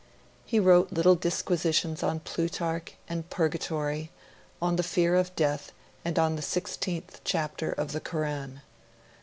He wrote little disquisitions on Plutarch and purgatory, on the fear of death and on the sixteenth chapter of the Koran.